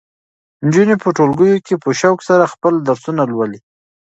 نجونې په ټولګیو کې په شوق سره خپل درسونه لولي.